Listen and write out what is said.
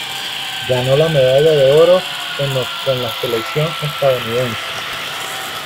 Ganó la medalla de oro en los con la selección estadounidense.